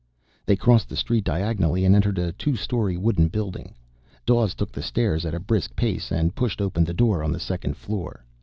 They crossed the street diagonally, and entered a two story wooden building. Dawes took the stairs at a brisk pace, and pushed open the door on the second floor.